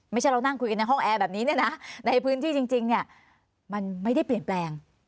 ไม่ใช่เรานั่งคุยกันในห้องแอร์แบบนี้เนี่ยนะในพื้นที่จริงเนี่ยมันไม่ได้เปลี่ยนแปลง